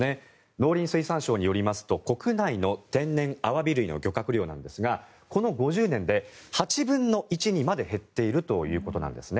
農林水産省によりますと国内の天然アワビ類の漁獲量なんですがこの５０年で８分の１にまで減っているということです。